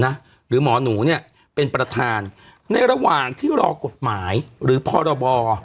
หรือหมอหนูเนี่ยเป็นประธานในระหว่างที่รอกฎหมายหรือพรบ